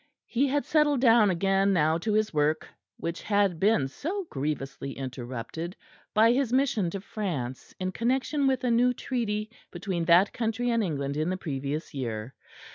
He had settled down again now to his work which had been so grievously interrupted by his mission to France in connection with a new treaty between that country and England in the previous year.